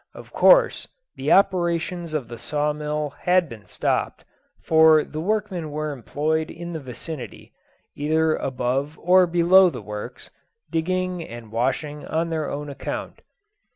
Of course the operations of the saw mill had been stopped, for the workmen were employed in the vicinity, either above or below the works, digging and washing on their own account.